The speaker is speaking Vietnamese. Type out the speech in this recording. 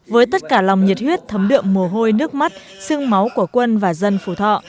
với tất cả lòng nhiệt huyết thấm đượm mồ hôi nước mắt xương máu của quân và dân phú thọ